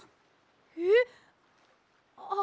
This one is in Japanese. えっ！？